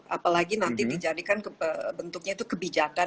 apalagi nanti dijadikan bentuknya itu kebijakan